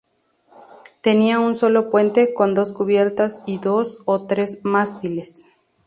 Tenía un solo puente con dos cubiertas y dos o tres mástiles.